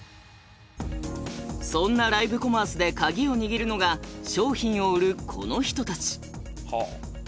そんなライブコマースで鍵を握るのが商品を売るこの人たち。